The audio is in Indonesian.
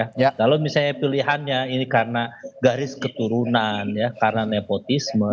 kalau misalnya pilihannya ini karena garis keturunan ya karena nepotisme